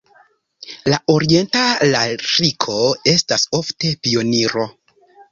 La orienta lariko estas ofte pioniro.